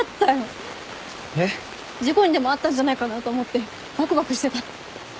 事故にでも遭ったんじゃないかなと思ってバクバクしてた。